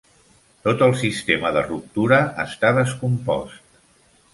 Tot el sistema de ruptura està descompost.